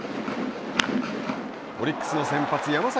オリックスの先発山崎